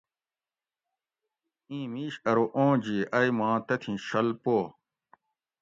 ایں میش ارو اوں جی ائ ماں تتھین شُل پو